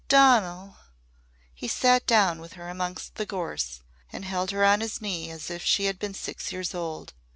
Donal!" He sat down with her amongst the gorse and held her on his knee as if she had been six years old.